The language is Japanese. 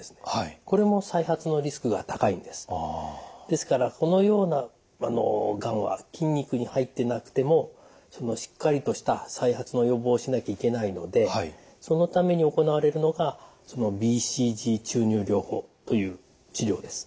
ですからこのようながんは筋肉に入ってなくてもしっかりとした再発の予防をしなきゃいけないのでそのために行われるのがＢＣＧ注入療法という治療です。